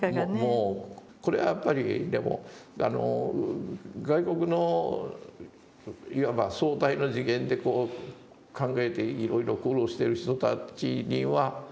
もうこれはやっぱりでも外国のいわば相対の次元で考えていろいろ苦労してる人たちには禅の考え方